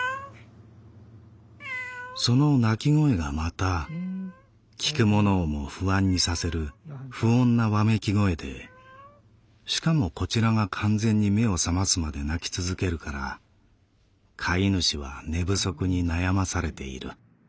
「その鳴き声がまた聴く者をも不安にさせる不穏なわめき声でしかもこちらが完全に目を覚ますまで鳴き続けるから飼い主は寝不足に悩まされている」。